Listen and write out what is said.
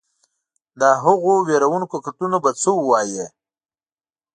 د هغو وېروونکو قتلونو به څه ووایې.